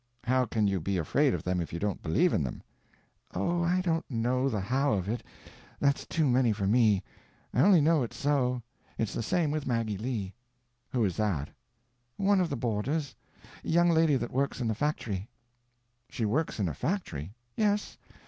"How can you be afraid of them if you don't believe in them?" "Oh, I don't know the how of it—that's too many for me; I only know it's so. It's the same with Maggie Lee." "Who is that?" "One of the boarders; young lady that works in the fact'ry." "She works in a factory?" "Yes.